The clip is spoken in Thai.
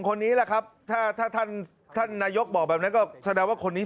คนนี้แหละครับถ้าถ้าท่านท่านนายกบอกแบบนั้นก็แสดงว่าคนนี้